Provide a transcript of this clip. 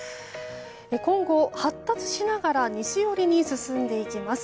今後、発達しながら西寄りに進んでいきます。